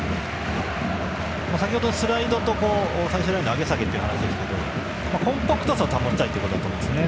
先ほど、スライドと最終ラインの上げ下げという話がありましたがコンパクトさを保ちたいということだと思いますね。